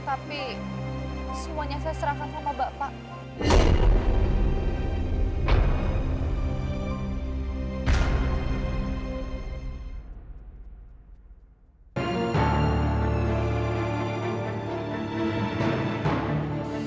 tapi semuanya saya serahkan sama bapak